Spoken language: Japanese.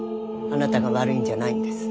あなたが悪いんじゃないんです。